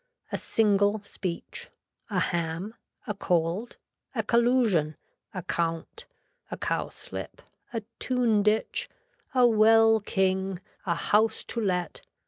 A single speech. A ham. A cold. A collusion. A count. A cowslip. A tune ditch. A well king. A house to let.